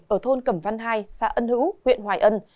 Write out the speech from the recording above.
ở thôn cẩm văn hai xã ân hữu huyện hoài ân